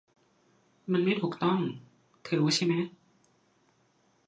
มันไม่ถูกต้องเธอรู้ใช่ไหม